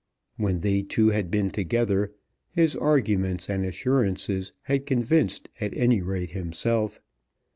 When they two had been together his arguments and assurances had convinced at any rate himself.